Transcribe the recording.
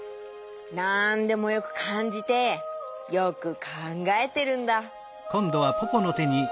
なんでもよくかんじてよくかんがえてるんだ。